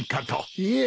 いえ